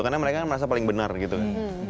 karena mereka merasa paling benar gitu kan